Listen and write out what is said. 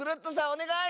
おねがい！